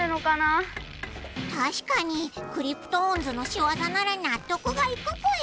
確かにクリプトオンズのしわざなら納得がいくぽよ。